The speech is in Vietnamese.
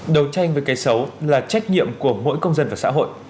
đấu tranh với cái xấu là trách nhiệm của mỗi công dân và xã hội